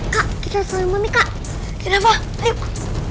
kak kita saling mika kira kira